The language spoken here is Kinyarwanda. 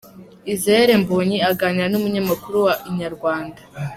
Israel Mbonyi aganira n’umunyamakuru wa inyarwanda.